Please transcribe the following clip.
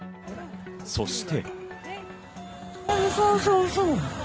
そして。